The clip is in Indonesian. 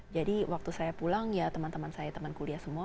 jadi waktu saya pulang ya teman teman saya teman kuliah semua